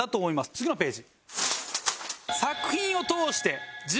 次のページ。